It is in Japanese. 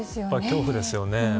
恐怖ですね。